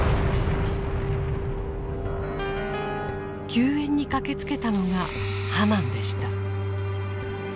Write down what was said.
救援に駆けつけたのが「ハマン」でした。